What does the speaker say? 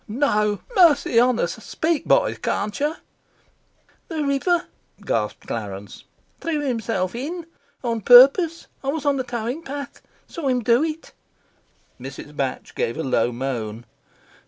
"No! Mercy on us! Speak, boy, can't you?" "The river," gasped Clarence. "Threw himself in. On purpose. I was on the towing path. Saw him do it." Mrs. Batch gave a low moan.